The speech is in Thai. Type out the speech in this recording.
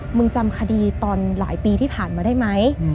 มึงจำคดีตอนหลายปีที่ผ่านมาได้ไหม